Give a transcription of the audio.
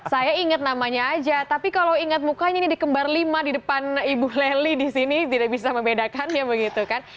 saya ingat namanya aja tapi kalau ingat mukanya ini di kembar lima di depan ibu leli di sini tidak bisa membedakannya begitu kan